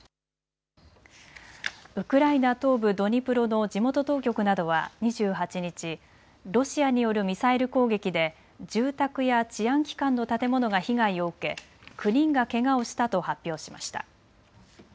ウクライナ東部ドニプロの地元当局などは２８日、ロシアによるミサイル攻撃で住宅や治安機関の建物が被害を受け９人がけがをしたと発表しました。